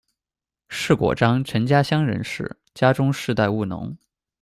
释果章陈家乡人士，家中世代务农。